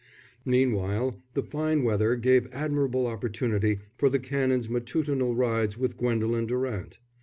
Meanwhile the fine weather gave admirable opportunity for the Canon's matutinal rides with Gwendolen Durant.